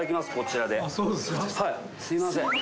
すいません。